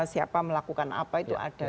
siapa melakukan apa itu ada